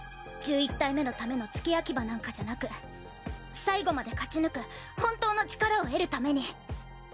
１１体目のための付け焼き刃なんかじゃなく最後まで勝ち抜く本当の力を得るために。